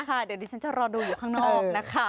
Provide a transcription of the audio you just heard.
เดี๋ยวดิฉันจะรอดูอยู่ข้างนอกนะคะ